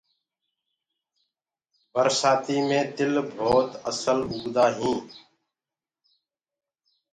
برسآتي مي تِل ڀوت اسل اُگدآ هينٚ۔